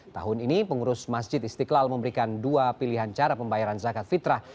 tahun ini pengurus masjid istiqlal memberikan dua pilihan cara pembayaran zakat fitrah